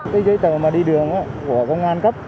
cái giấy tờ đi đường của công an cấp